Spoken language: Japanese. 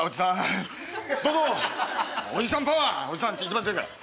おじさんパワーおじさん一番強いから。